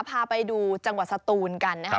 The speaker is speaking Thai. พาไปดูจังหวัดสตูนกันนะครับ